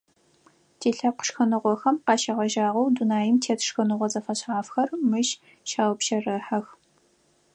Тилъэпкъ шхыныгъохэм къащегъэжьагъэу, дунаим тет шхыныгъо зэфэшъхьафхэр мыщ щаупщэрыхьэх.